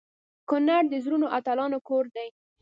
کنړ د زړورو اتلانو کور دی.